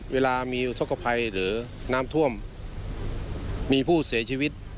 เวลามีอุทธกภัยหรือน้ำท่วมมีผู้เสียชีวิต